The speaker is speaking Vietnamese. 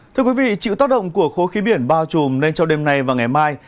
thưa quý vị chịu tác động của khối khí biển bao trùm nên trong đêm nay và ngày mai